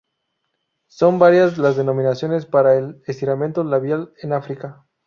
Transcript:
Son varias las denominaciones para el estiramiento labial en África.